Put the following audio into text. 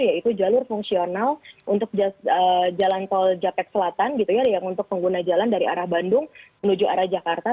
yaitu jalur fungsional untuk jalan tol jakarta selatan untuk pengguna jalan dari arah bandung menuju arah jakarta